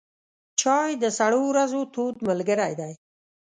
چای د سړو ورځو تود ملګری دی.